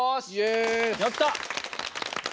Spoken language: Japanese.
やった！